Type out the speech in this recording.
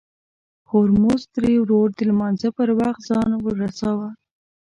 هورموز تري ورور د لمانځه پر وخت ځان ورساوه.